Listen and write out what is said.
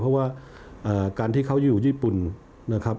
เพราะว่าการที่เขาอยู่ญี่ปุ่นนะครับ